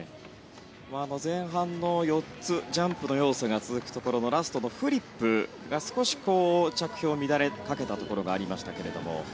前半の４つジャンプの要素が続くところのラストのフリップが少し着氷が乱れかけたところがありましたけれども。